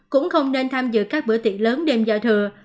cũng không nên tham dự các bữa tiệc lớn đêm giao thừa